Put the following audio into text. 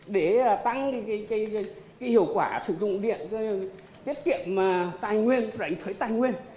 tiêu dụng nhiều điện tôi có thể tăng hiệu quả sử dụng điện tiết kiệm tài nguyên rảnh thuế tài nguyên